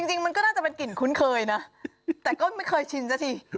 จริงมันก็น่าจะเป็นกลิ่นคุ้นเคยนะแต่ก็ไม่เคยชินซะสิ